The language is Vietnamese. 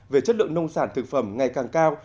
về chất lượng nông sản thực phẩm ngày càng cao